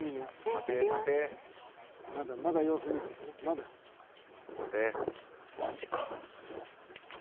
「待て待て」「まだ様子見てまだ」「待て」マジか。